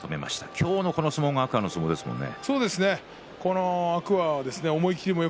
今日の相撲は天空海の相撲ですね。